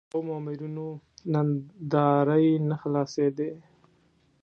د دوو مامورینو ناندرۍ نه خلاصېدې.